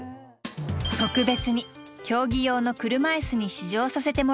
特別に競技用の車いすに試乗させてもらいます。